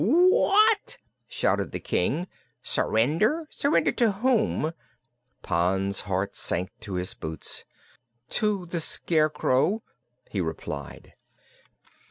"What!" shouted the King. "Surrender? Surrender to whom?" Pon's heart sank to his boots. "To the Scarecrow," he replied.